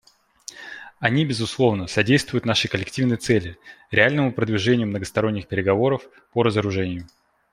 Они, безусловно, содействуют нашей коллективной цели — реальному продвижению многосторонних переговоров по разоружению.